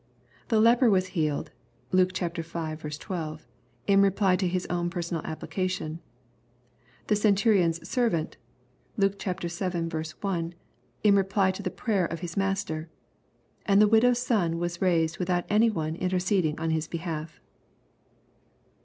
—" The leper was healed (Luke v. 12) in reply to his own personal application ; the centurion's servant (Luke vii. ]) in reply to the prayer of his master ,• and the widow's son was raised without any one interceding on his behalf."